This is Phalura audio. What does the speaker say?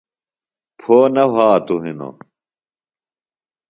پھو نہ وھاتوۡ ہِنوۡ